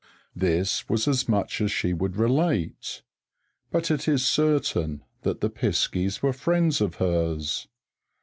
This was as much as she would relate; but it is certain that the piskies were friends of hers.